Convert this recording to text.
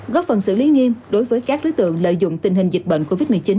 góp phần xử lý nghiêm đối với các đối tượng lợi dụng tình hình dịch bệnh covid một mươi chín